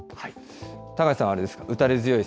高瀬さんはあれですか？